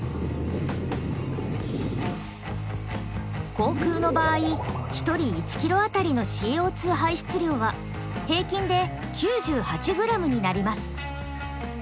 航空の場合１人１ｋｍあたりのＣＯ排出量は平均で９８ｇになります。